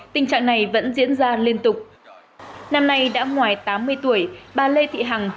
tình trạng này vẫn diễn ra liên tục năm nay đã ngoài tám mươi tuổi bà lê thị hằng